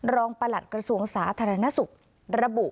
ประหลัดกระทรวงสาธารณสุขระบุ